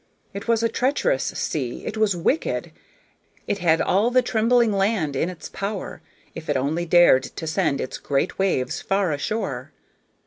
It was a treacherous sea; it was wicked; it had all the trembling land in its power, if it only dared to send its great waves far ashore.